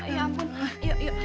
ya ampun yuk yuk